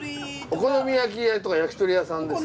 お好み焼き屋とか焼き鳥屋さんですか？